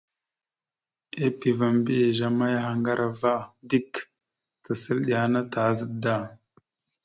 Epeva mbiyez a mayahaŋgar ava dik, tasal iɗe ana tazaɗ da.